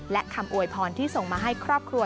และคำอวยพรที่ส่งมาให้ครอบครัว